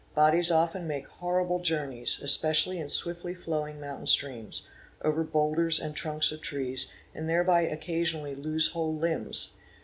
Bodies often make horrible journeys especially in swiftly flowing mountain streams, over boulders and trunks of trees, and thereby occasionally lose whole limbs.